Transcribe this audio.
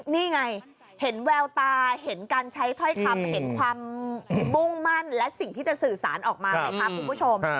นี่ไงเห็นแววตาเห็นการใช้ถ้อยคำเห็นความมุ่งมั่นและสิ่งที่จะสื่อสารออกมาไหมคะคุณผู้ชม